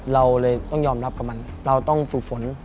เราเลยต้องยอมรับกับมันเราต้องฝึกฝน